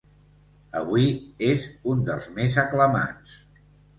Avui és un dels més aclamats.